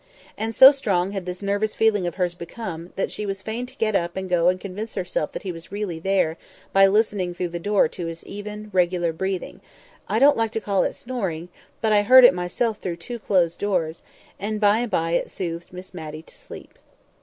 And so strong had this nervous feeling of hers become, that she was fain to get up and go and convince herself that he was really there by listening through the door to his even, regular breathing—I don't like to call it snoring, but I heard it myself through two closed doors—and by and by it soothed Miss Matty to sleep.